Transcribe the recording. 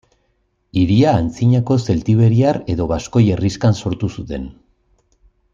Hiria antzinako zeltiberiar edo baskoi herrixkan sortu zuten.